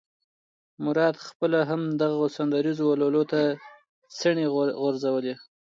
مراد خپله هم دغو سندریزو ولولو ته څڼې غورځولې.